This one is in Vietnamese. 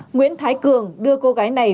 nguyễn thái cường đưa cô gái này